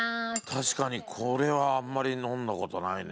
確かにこれはあんまり飲んだ事ないね。